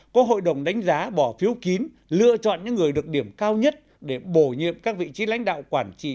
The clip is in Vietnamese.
có hội đồng đánh giá bỏ phiếu kín lựa chọn những người được điểm cao nhất để bổ nhiệm các vị trí lãnh đạo quản trị